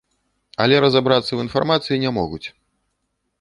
Але разабрацца ў інфармацыі не могуць.